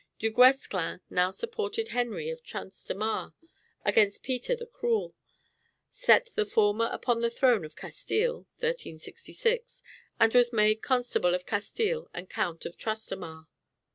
Du Guesclin now supported Henry of Trastamare against Peter the Cruel, set the former upon the throne of Castile (1366), and was made Constable of Castile and Count of Trastamare.